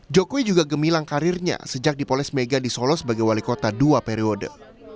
jokowi juga gemilang karirnya sejak dipoles mega di solo sebagai wali kota dua periode